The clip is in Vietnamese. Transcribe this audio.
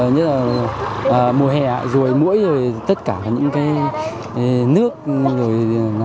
nhất là mùa hè rồi mũi rồi tất cả những cái nước rồi